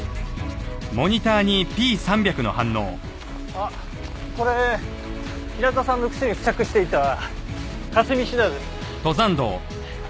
あっこれ平田さんの靴に付着していたカスミシダです。